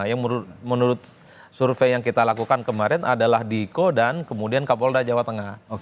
yang menurut survei yang kita lakukan kemarin adalah diko dan kemudian kapolda jawa tengah